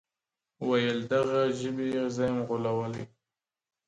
ويل دغي ژبي زه يم غولولى٫